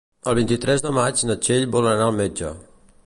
El vint-i-tres de maig na Txell vol anar al metge.